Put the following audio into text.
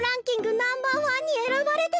ナンバーワンにえらばれてたわ。